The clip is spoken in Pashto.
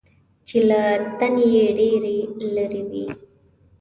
چې له تنې یې ډېرې لرې وي .